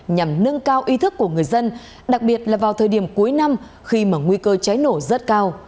nhằm nâng cao ý thức của người dân đặc biệt là vào thời điểm cuối năm khi mà nguy cơ cháy nổ rất cao